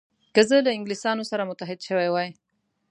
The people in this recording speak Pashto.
که زه له انګلیسانو سره متحد شوی وای.